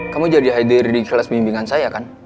kamu jadi high deri di kelas bimbingan saya kan